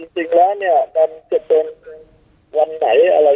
จริงแล้วเนี่ยตอนตอน